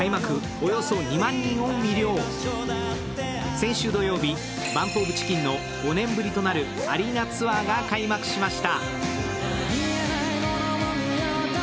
先週土曜日、ＢＵＭＰＯＦＣＨＩＣＫＥＮの５年ぶりとなるアリーナツアーが開幕しました。